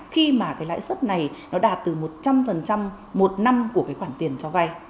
khi mà cái lãi suất này nó đạt từ một trăm linh một năm của cái khoản tiền cho vay